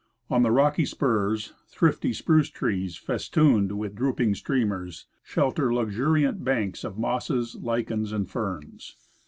On the rocky spurs, thrifty spruce trees, festooned with drooping streamers, shelter luxuriant banks of mosses, lichens and ferns.